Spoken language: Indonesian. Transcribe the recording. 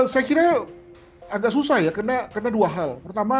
saya kira agak susah ya karena dua hal